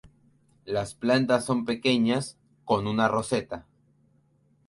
Las plantas son pequeñas, con una roseta.